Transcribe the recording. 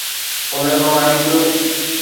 انهن مان هڪ